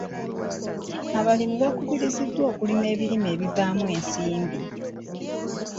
Abalimi bakubiribwa okulima ebirime ebivaamu ensimbi.